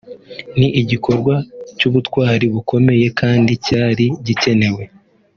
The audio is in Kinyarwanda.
ni igikorwa cy’ubutwari bukomeye kandi cyari gikenewe